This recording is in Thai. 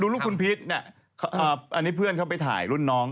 ลูกคุณพีชเนี่ยอันนี้เพื่อนเขาไปถ่ายรุ่นน้อง